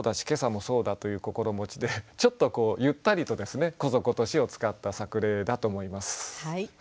今朝もそうだという心持ちでちょっとこうゆったりとですね「去年今年」を使った作例だと思います。